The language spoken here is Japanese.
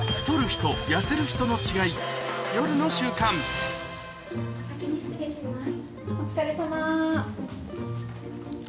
お先に失礼します。